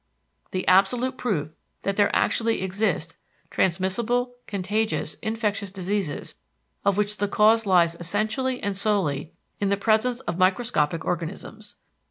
The absolute proof that there actually exist transmissible, contagious, infectious diseases of which the cause lies essentially and solely in the presence of microscopic organisms.